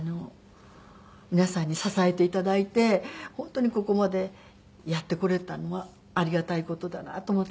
皆さんに支えて頂いて本当にここまでやってこれたのはありがたい事だなと。